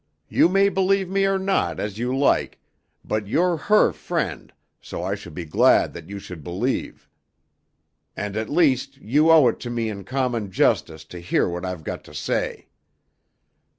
You may believe me or not, as you like, but you're her friend, so I should be glad that you should believe. And, at least, you owe it to me in common justice to hear what I've got to say.